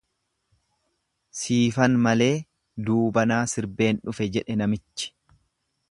"""Siifan malee duubanaa sirbeen dhufe"" jedhe namichi."